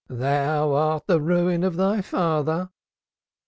"Thou art the ruin of thy father."